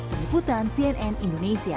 peniputan cnn indonesia